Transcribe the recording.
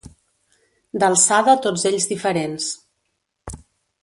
D'alçada tots ells diferents.